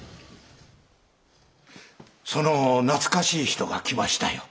その懐かしい人が来ましたよ。